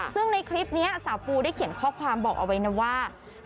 ซึ่งในคลิปนี้สาวปูได้เขียนข้อความบอกเอาไว้นะว่า